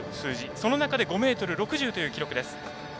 その中で５ｍ６０という記録です。